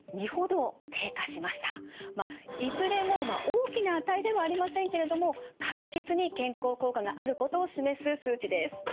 まあいずれも大きな値ではありませんけれども確実に健康効果があることを示す数値です。